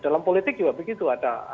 dalam politik juga begitu